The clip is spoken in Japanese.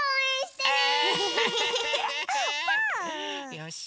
よし！